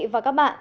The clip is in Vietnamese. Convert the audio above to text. và các bạn